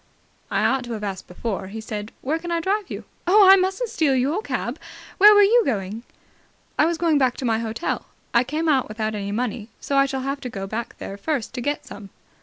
"I ought to have asked before," he said. "Where can I drive you?" "Oh, I mustn't steal your cab. Where were you going?" "I was going back to my hotel. I came out without any money, so I shall have to go there first to get some."